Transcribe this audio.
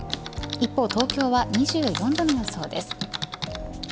一方、東京は２４度の予想です。